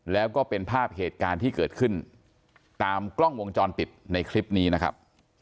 แล้วก็เป็นภาพเหตุการณ์ที่เกิดขึ้นตามกล้องวงจรปิดในคลิปนี้นะครับ